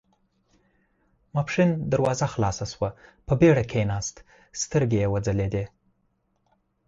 ماسپښين دروازه خلاصه شوه، په بېړه کېناست، سترګې يې وځلېدې.